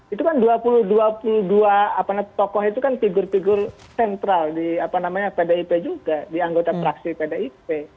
itu kan dua puluh dua puluh dua tokoh itu kan figur figur sentral di pdip juga di anggota praksi pdip